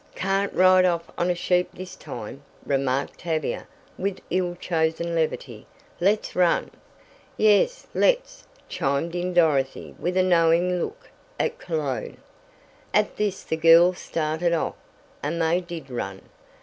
"Can't ride off on a sheep this time," remarked Tavia with ill chosen levity. "Let's run!" "Yes, let's!" chimed in Dorothy with a knowing look at Cologne. At this the girls started off; and they did run!